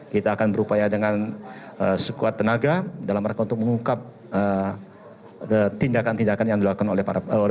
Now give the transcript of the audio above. kita akan berupaya dengan sekuat tenaga dalam harapan untuk mengungkap tindakan tindakan yang dilakukan oleh pelaku kemarin itu